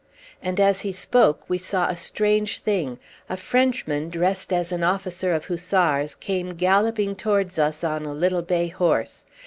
And as he spoke we saw a strange thing. A Frenchman, dressed as an officer of hussars, came galloping towards us on a little bay horse.